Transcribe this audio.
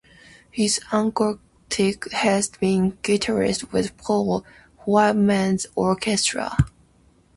His uncle Chick had been a guitarist with Paul Whiteman's orchestra.